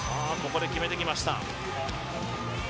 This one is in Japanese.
ここで決めてきました